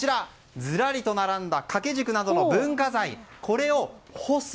ずらりと並んだ掛け軸などの文化財、これを干す。